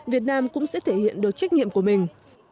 việt nam cũng sẽ thể hiện được trách nhiệm của mình